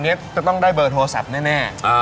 เจาะเซเว่นดีกว่า